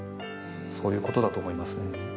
そういうことだと思いますね。